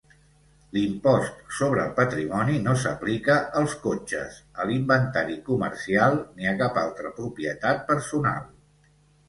L'impost sobre el patrimoni no s'aplica als cotxes, a l'inventari comercial ni a cap altra propietat personal.